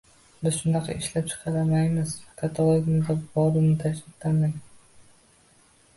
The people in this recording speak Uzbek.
«Biz bunaqasini ishlab chiqarmaymiz, katalogimizda borini tanlang»